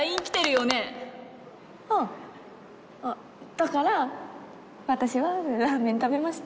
だから「私はラーメン食べました！」